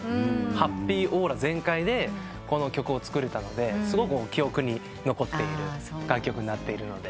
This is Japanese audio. ハッピーオーラ全開でこの曲を作れたのですごく記憶に残っている楽曲になっているので。